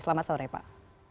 selamat sore pak